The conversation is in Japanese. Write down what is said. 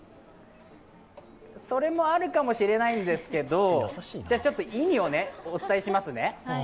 それもあるかもしれないんですけど、意味をお伝えしますね。